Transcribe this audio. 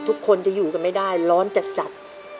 ทุกคนจะอยู่กันไม่ได้ร้อนจัด